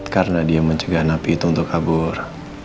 karena dia mencegah napi itu untuk kabur